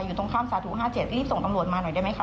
อยู่ตรงข้ามสาธุ๕๗รีบส่งตำรวจมาหน่อยได้ไหมคะ